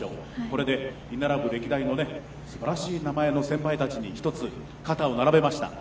これで居並ぶ歴代のすばらしい名前の先輩たちに１つ、肩を並べました。